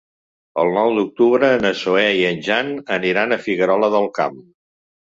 El nou d'octubre na Zoè i en Jan aniran a Figuerola del Camp.